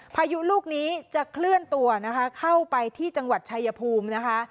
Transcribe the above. พายุลูกนี้จะเคลื่อนตัวนะคะเข้าไปที่จังหวัดชายภูมินะคะ